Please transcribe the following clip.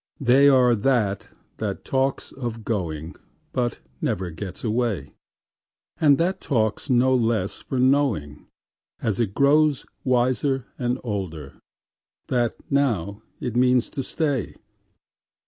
They are that that talks of goingBut never gets away; And that talks no less for knowing, As it grows wiser and older, That now it means to stay.